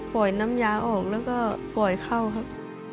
น้ำยาออกแล้วก็ปล่อยเข้าครับ